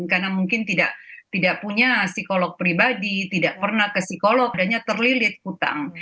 karena mungkin tidak punya psikolog pribadi tidak pernah ke psikolog adanya terlilit hutang